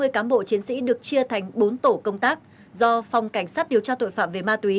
sáu mươi cán bộ chiến sĩ được chia thành bốn tổ công tác do phòng cảnh sát điều tra tội phạm về ma túy